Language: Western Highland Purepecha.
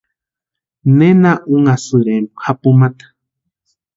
¿Nena únhasïrempki japumata?